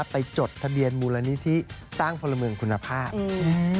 จดทะเบียนมูลนิธิสร้างพลเมืองคุณภาพ